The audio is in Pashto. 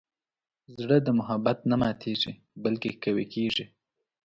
زړه د محبت نه ماتیږي، بلکې قوي کېږي.